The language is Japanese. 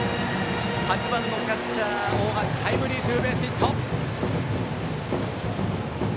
８番のキャッチャー大橋がタイムリーツーベースヒット。